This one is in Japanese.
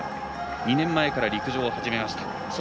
２年前から陸上を始めました。